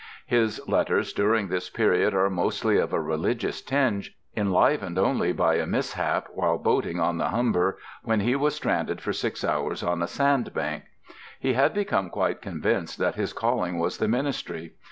His letters during this period are mostly of a religious tinge, enlivened only by a mishap while boating on the Humber when he was stranded for six hours on a sand bank. He had become quite convinced that his calling was the ministry.